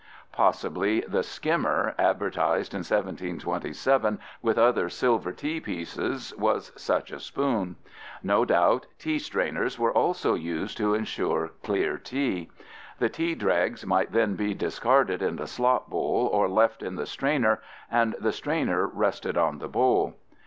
Possibly the "skimmer" advertised in 1727 with other silver tea pieces was such a spoon. No doubt, tea strainers (fig. 21) were also used to insure clear tea. The tea dregs might then be discarded in the slop bowl or left in the strainer and the strainer rested on the bowl.